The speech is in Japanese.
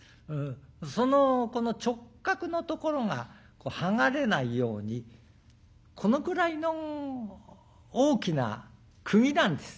そのこの直角のところが剥がれないようにこのくらいの大きな釘なんです。